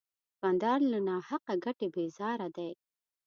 دوکاندار له ناحقه ګټې بیزاره دی.